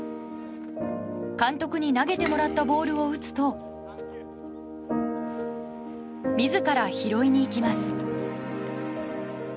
監督に投げてもらったボールを打つと自ら拾いに行きます。